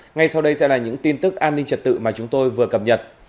ngay sau đây sẽ là những tin tức an ninh trật tự mà chúng tôi vừa cập nhật